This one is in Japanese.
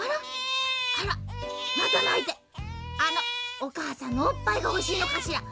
おかあさんのおっぱいがほしいのかしら？